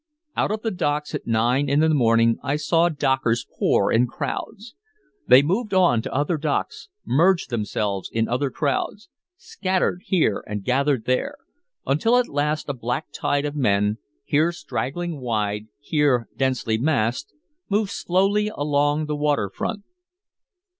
Out of the docks at nine in the morning I saw dockers pour in crowds. They moved on to other docks, merged themselves in other crowds, scattered here and gathered there, until at last a black tide of men, here straggling wide, here densely massed, moved slowly along the waterfront.